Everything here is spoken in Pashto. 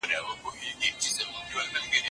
سياسي زغم په پرمختللو ټولنو کي خورا زيات دی.